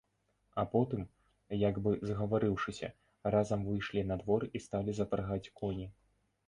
А потым, як бы згаварыўшыся, разам выйшлі на двор і сталі запрагаць коні.